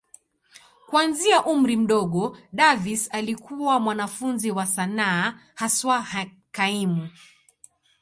Kuanzia umri mdogo, Davis alikuwa mwanafunzi wa sanaa, haswa kaimu.